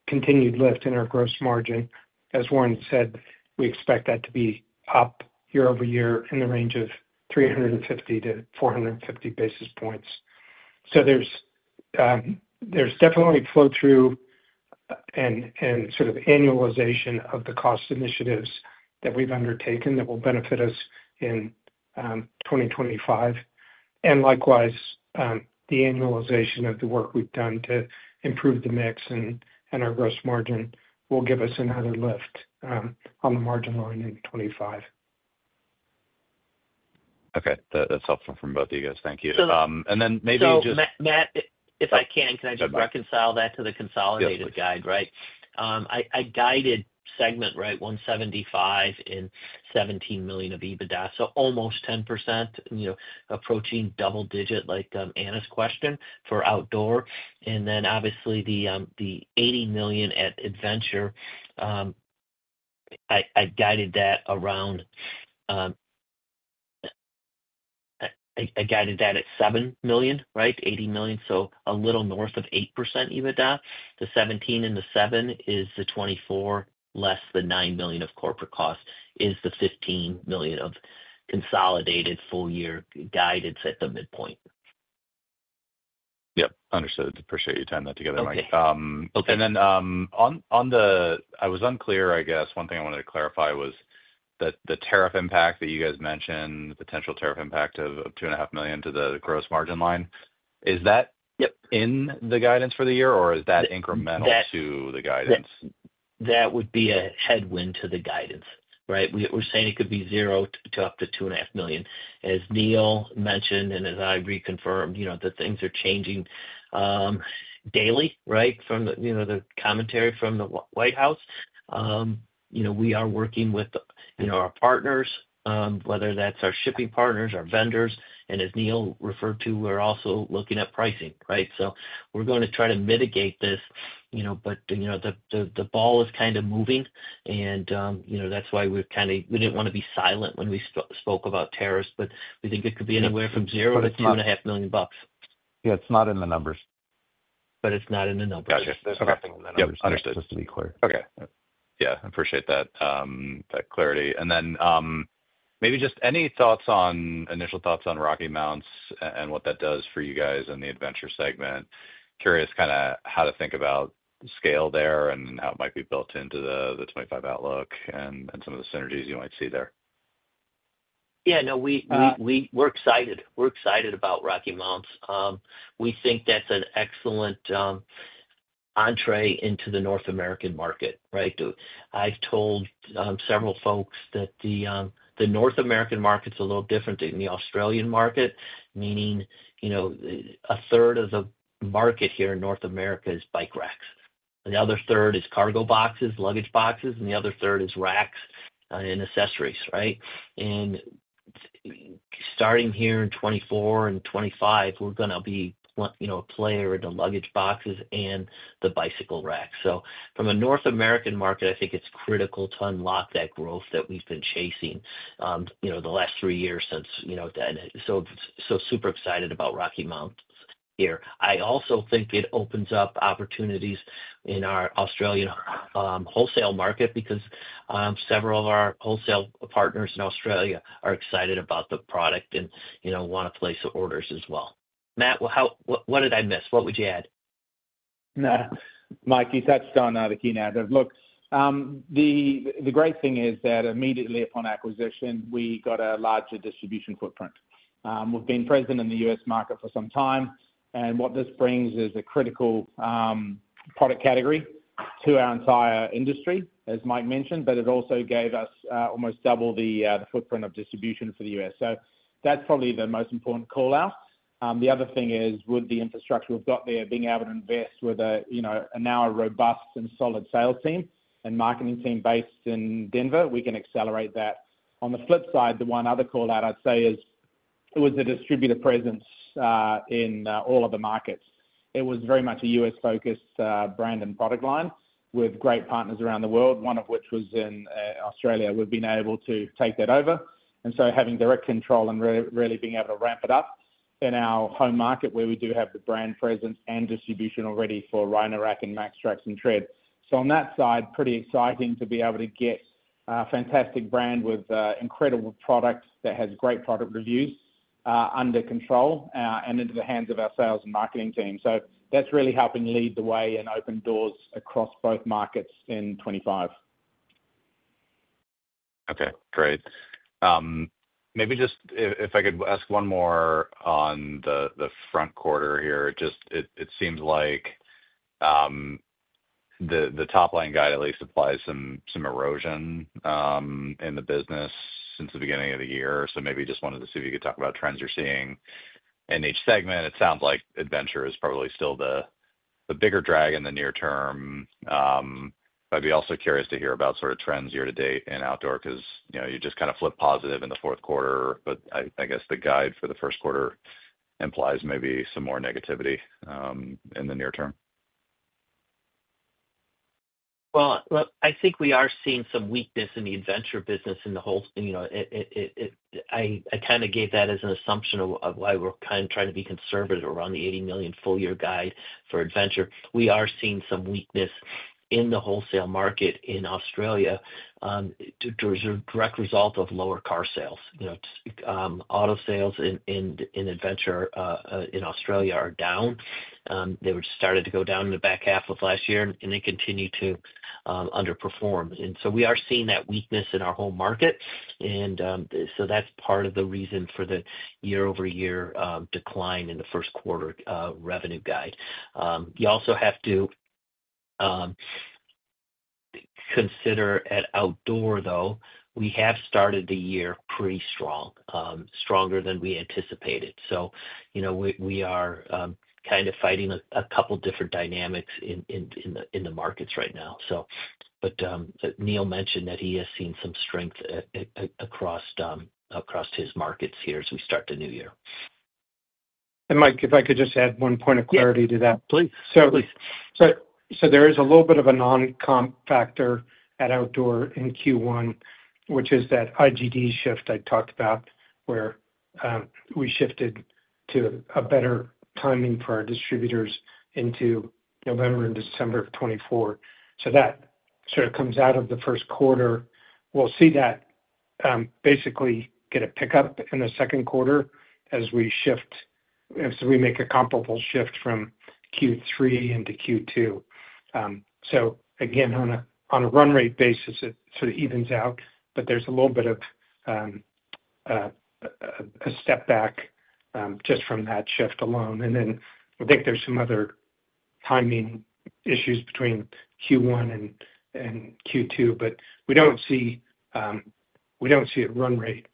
continued lift in our gross margin. As Warren said, we expect that to be up year-over-year in the range of 350-450 basis points. There is definitely flow-through and sort of annualization of the cost initiatives that we have undertaken that will benefit us in 2025. Likewise, the annualization of the work we have done to improve the mix and our gross margin will give us another lift on the margin line in 2025. Okay. That is helpful from both of you guys. Thank you. Maybe just, Matt, if I can, can I just reconcile that to the consolidated guide, right? I guided segment, right, $175 million and $17 million of EBITDA, so almost 10%, approaching double-digit, like Anna's question, for Outdoor. Obviously, the $80 million at Adventure, I guided that around. I guided that at $7 million, right? $80 million. A little north of 8% EBITDA. The $17 million and the $7 million is the $24 million less than $9 million of corporate cost is the $15 million of consolidated full-year guidance at the midpoint. Yep. Understood. Appreciate you tying that together, Mike. On the—I was unclear, I guess. One thing I wanted to clarify was that the tariff impact that you guys mentioned, the potential tariff impact of $2.5 million to the gross margin line, is that in the guidance for the year, or is that incremental to the guidance? That would be a headwind to the guidance, right? We're saying it could be $0 to up to $2.5 million. As Neil mentioned and as I reconfirmed, things are changing daily, right, from the commentary from the White House. We are working with our partners, whether that's our shipping partners, our vendors. As Neil referred to, we're also looking at pricing, right? We're going to try to mitigate this. The ball is kind of moving. That is why we did not want to be silent when we spoke about tariffs. We think it could be anywhere from $0-$2.5 million. Yeah. It's not in the numbers. It's not in the numbers. Gotcha. There's nothing in the numbers. Understood. Just to be clear. Okay. Yeah. I appreciate that clarity. Maybe just any thoughts on initial thoughts on RockyMounts and what that does for you guys in the Adventure segment. Curious kind of how to think about scale there and how it might be built into the 2025 outlook and some of the synergies you might see there. Yeah. No, we're excited. We're excited about RockyMounts. We think that's an excellent entree into the North American market, right? I've told several folks that the North American market's a little different than the Australian market, meaning a third of the market here in North America is bike racks. The other third is cargo boxes, luggage boxes, and the other third is racks and accessories, right? Starting here in 2024 and 2025, we're going to be a player in the luggage boxes and the bicycle racks. From a North American market, I think it's critical to unlock that growth that we've been chasing the last three years since then. Super excited about RockyMounts here. I also think it opens up opportunities in our Australian wholesale market because several of our wholesale partners in Australia are excited about the product and want to place orders as well. Matt, what did I miss? What would you add? Mike, you touched on the key narrative. Look, the great thing is that immediately upon acquisition, we got a larger distribution footprint. We have been present in the US market for some time. What this brings is a critical product category to our entire industry, as Mike mentioned, but it also gave us almost double the footprint of distribution for the US. That is probably the most important callout. The other thing is with the infrastructure we have there, being able to invest with a now robust and solid sales team and marketing team based in Denver, we can accelerate that. On the flip side, the one other callout I would say is it was the distributor presence in all of the markets. It was very much a U.S.-focused brand and product line with great partners around the world, one of which was in Australia. We've been able to take that over. Having direct control and really being able to ramp it up in our home market where we do have the brand presence and distribution already for Rhino-Rack and MaxTrax and TRED. On that side, pretty exciting to be able to get a fantastic brand with incredible product that has great product reviews under control and into the hands of our sales and marketing team. That is really helping lead the way and open doors across both markets in 2025. Okay. Great. Maybe just if I could ask one more on the front quarter here. It seems like the top-line guide at least applies some erosion in the business since the beginning of the year. Maybe just wanted to see if you could talk about trends you're seeing in each segment. It sounds like Adventure is probably still the bigger drag in the near term. I'd be also curious to hear about sort of trends year-to-date in Outdoor because you just kind of flipped positive in the fourth quarter, but I guess the guide for the first quarter implies maybe some more negativity in the near term. I think we are seeing some weakness in the Adventure business in the whole. I kind of gave that as an assumption of why we're kind of trying to be conservative around the $80 million full-year guide for Adventure. We are seeing some weakness in the wholesale market in Australia as a direct result of lower car sales. Auto sales in Adventure in Australia are down. They were starting to go down in the back half of last year, and they continue to underperform. We are seeing that weakness in our home market. That is part of the reason for the year-over-year decline in the first quarter revenue guide. You also have to consider at Outdoor, though, we have started the year pretty strong, stronger than we anticipated. We are kind of fighting a couple of different dynamics in the markets right now. Neil mentioned that he has seen some strength across his markets here as we start the new year. Mike, if I could just add one point of clarity to that. Please. Certainly. There is a little bit of a non-comp factor at Outdoor in Q1, which is that IGD shift I talked about where we shifted to a better timing for our distributors into November and December of 2024. That sort of comes out of the first quarter. We'll see that basically get a pickup in the second quarter as we shift, as we make a comparable shift from Q3 into Q2. Again, on a run rate basis, it sort of evens out, but there's a little bit of a step back just from that shift alone. I think there's some other timing issues between Q1 and Q2, but we don't see a run rate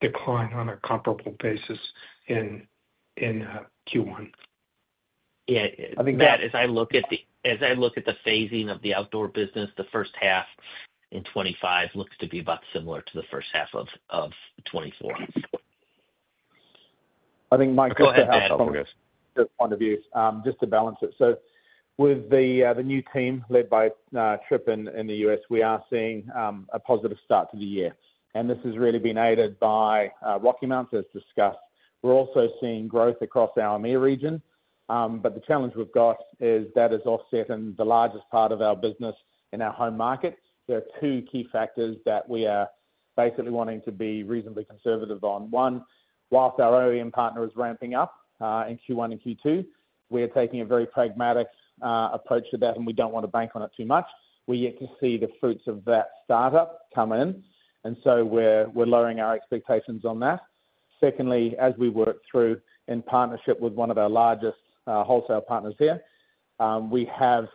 decline on a comparable basis in Q1. Yeah. I think that as I look at the phasing of the Outdoor business, the first half in 2025 looks to be about similar to the first half of 2024. I think Mike, just to help from his point of view, just to balance it. With the new team led by Tripp in the U.S., we are seeing a positive start to the year. This has really been aided by RockyMounts, as discussed. We are also seeing growth across our EMEA region. The challenge we have is that is offset in the largest part of our business in our home market. There are two key factors that we are basically wanting to be reasonably conservative on. One, whilst our OEM partner is ramping up in Q1 and Q2, we are taking a very pragmatic approach to that, and we do not want to bank on it too much. We are yet to see the fruits of that startup come in. We are lowering our expectations on that. Secondly, as we work through in partnership with one of our largest wholesale partners here, we have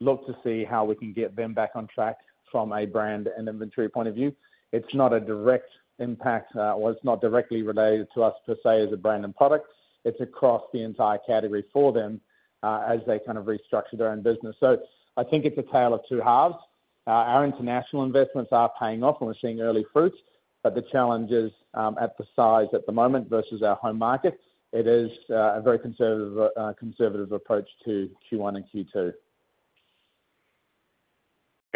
looked to see how we can get them back on track from a brand and inventory point of view. It is not a direct impact, or it is not directly related to us per se as a brand and product. It is across the entire category for them as they kind of restructure their own business. I think it is a tale of two halves. Our international investments are paying off, and we are seeing early fruits. The challenge is at the size at the moment versus our home market. It is a very conservative approach to Q1 and Q2.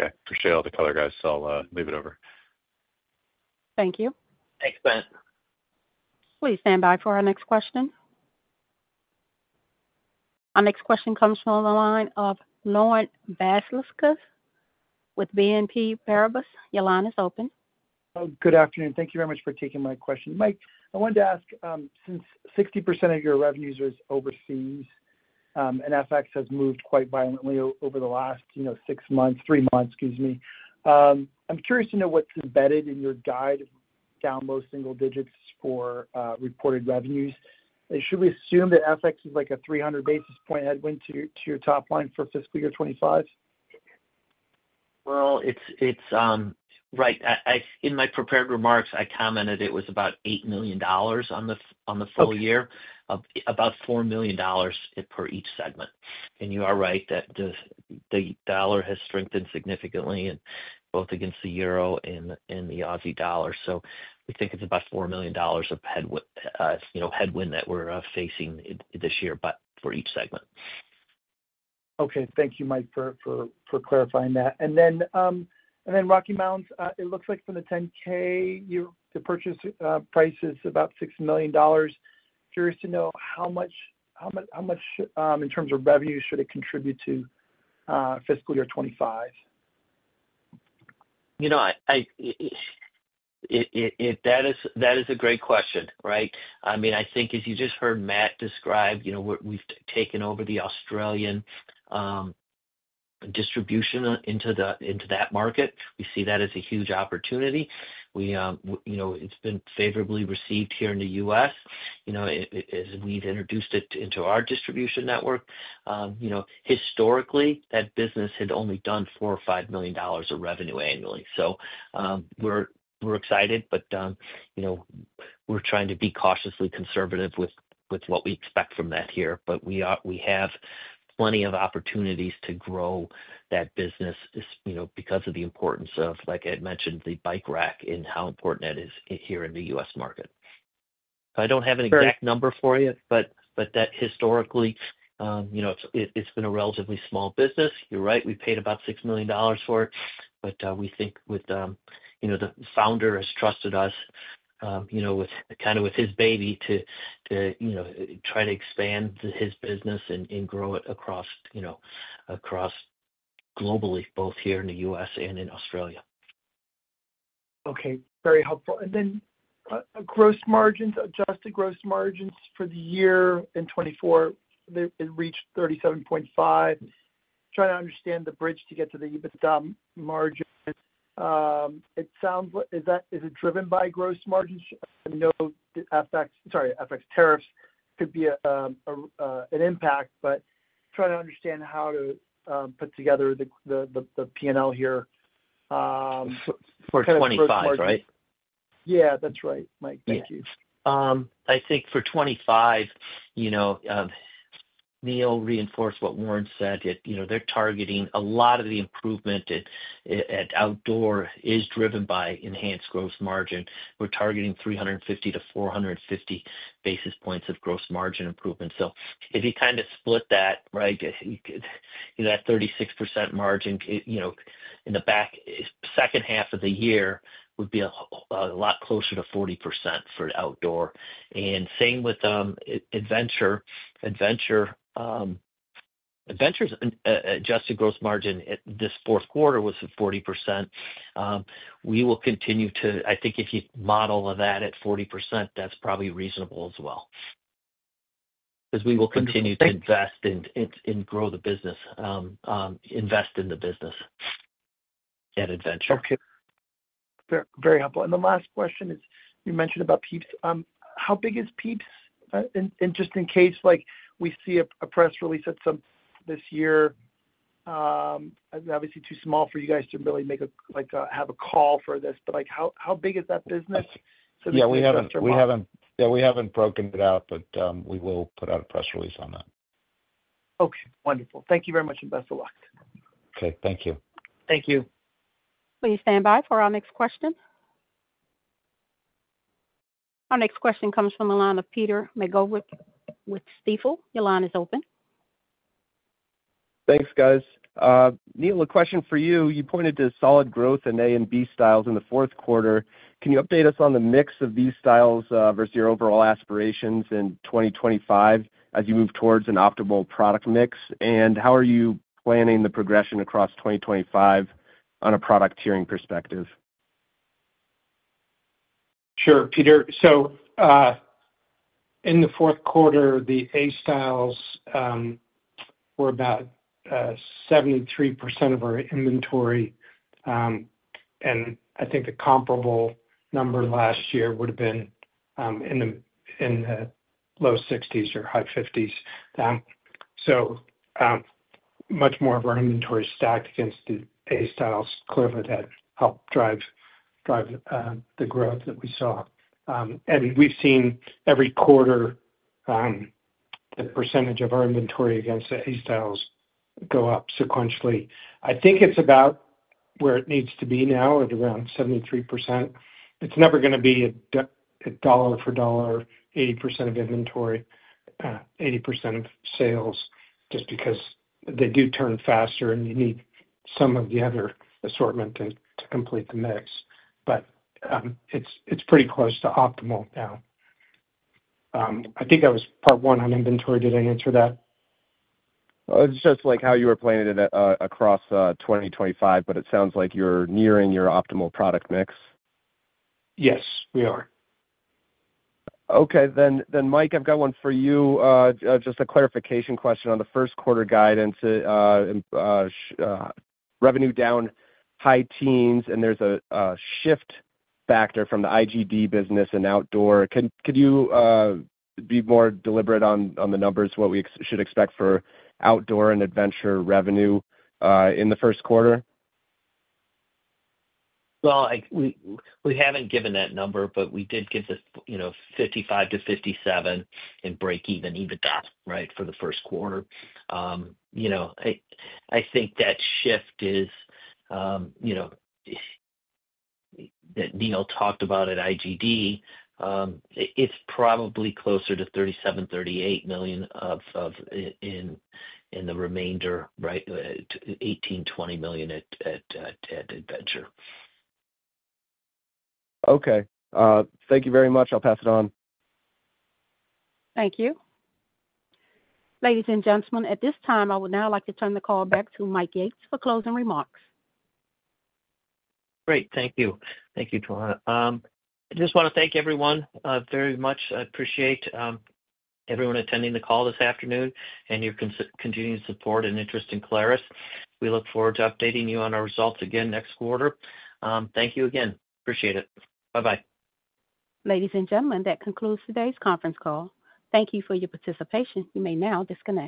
Okay. Appreciate all the color, guys. I'll leave it over. Thank you. Thanks, Matt. Please stand by for our next question. Our next question comes from the line of Laurent Vasilescu with BNP Paribas. Your line is open. Good afternoon. Thank you very much for taking my question, Mike. I wanted to ask, since 60% of your revenues is overseas, and FX has moved quite violently over the last six months, three months, excuse me, I'm curious to know what's embedded in your guide of down low single digits for reported revenues. Should we assume that FX is like a 300 basis point headwind to your top line for fiscal year 2025? Right. In my prepared remarks, I commented it was about $8 million on the full year, about $4 million per each segment. You are right that the dollar has strengthened significantly, both against the euro and the Aussie dollar. We think it is about $4 million of headwind that we are facing this year for each segment. Okay. Thank you, Mike, for clarifying that. RockyMounts, it looks like for the 10-K, the purchase price is about $6 million. Curious to know how much, in terms of revenue, should it contribute to fiscal year 2025? That is a great question, right? I mean, I think as you just heard Matt describe, we have taken over the Australian distribution into that market. We see that as a huge opportunity. It has been favorably received here in the U.S. as we have introduced it into our distribution network. Historically, that business had only done $4 million or $5 million of revenue annually. We are excited, but we are trying to be cautiously conservative with what we expect from that here. We have plenty of opportunities to grow that business because of the importance of, like I had mentioned, the bike rack and how important it is here in the U.S. market. I do not have an exact number for you, but historically, it has been a relatively small business. You are right. We paid about $6 million for it. We think the founder has trusted us kind of with his baby to try to expand his business and grow it across globally, both here in the U.S. and in Australia. Okay. Very helpful. Gross margins, adjusted gross margins for the year in 2024, it reached 37.5%. Trying to understand the bridge to get to the EBITDA margin. It sounds like is it driven by gross margins? I know FX, sorry, FX tariffs could be an impact, but trying to understand how to put together the P&L here. For 2025, right? Yeah. That's right, Mike. Thank you. I think for 2025, Neil reinforced what Warren said. They're targeting a lot of the improvement at Outdoor is driven by enhanced gross margin. We're targeting 350-450 basis points of gross margin improvement. So if you kind of split that, right, that 36% margin in the back second half of the year would be a lot closer to 40% for Outdoor. And same with Adventure. Adventure's adjusted gross margin this fourth quarter was 40%. We will continue to, I think if you model that at 40%, that's probably reasonable as well. Because we will continue to invest and grow the business, invest in the business at Adventure. Okay. Very helpful. The last question is you mentioned about PIEPS. How big is PIEPS? Just in case we see a press release at some point this year, obviously too small for you guys to really have a call for this, but how big is that business? Yeah. We haven't broken it out, but we will put out a press release on that. Okay. Wonderful. Thank you very much and best of luck. Okay. Thank you. Thank you. Please stand by for our next question. Our next question comes from the line of Peter McGoldrick with Stifel. Your line is open. Thanks, guys. Neil, a question for you. You pointed to solid growth in A and B styles in the fourth quarter. Can you update us on the mix of these styles versus your overall aspirations in 2025 as you move towards an optimal product mix? How are you planning the progression across 2025 on a product tiering perspective? Sure, Peter. In the fourth quarter, the A styles were about 73% of our inventory. I think a comparable number last year would have been in the low 60s or high 50s. Much more of our inventory stacked against the A styles clearly had helped drive the growth that we saw. We have seen every quarter the percentage of our inventory against the A styles go up sequentially. I think it is about where it needs to be now at around 73%. It's never going to be a dollar for dollar, 80% of inventory, 80% of sales, just because they do turn faster and you need some of the other assortment to complete the mix. But it's pretty close to optimal now. I think that was part one on inventory. Did I answer that? It's just like how you were planning it across 2025, but it sounds like you're nearing your optimal product mix. Yes, we are. Okay. Mike, I've got one for you. Just a clarification question on the first quarter guidance. Revenue down high teens, and there's a shift factor from the IGD business and Outdoor. Could you be more deliberate on the numbers, what we should expect for Outdoor and Adventure revenue in the first quarter? We have not given that number, but we did give the $55 million-$57 million and break-even EBITDA, right, for the first quarter. I think that shift is that Neil talked about at IGD. It is probably closer to $37 million-$38 million in the remainder, right, $1 8 million-$20 million at Adventure. Okay. Thank you very much. I will pass it on. Thank you. Ladies and gentlemen, at this time, I would now like to turn the call back to Mike Yates for closing remarks. Great. Thank you. Thank you, Tawana. I just want to thank everyone very much. I appreciate everyone attending the call this afternoon and your continued support and interest in Clarus. We look forward to updating you on our results again next quarter. Thank you again. Appreciate it. Bye-bye. Ladies and gentlemen, that concludes today's conference call. Thank you for your participation. You may now disconnect.